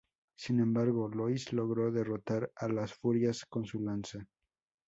Sin embargo, Lois logró derrotar a las furias con su lanza.